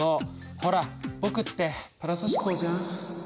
ほら僕ってプラス思考じゃん。